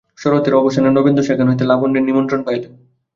শরতের অবসানে নবেন্দু সেখান হইতে লাবণ্যর নিমন্ত্রণ পাইলেন।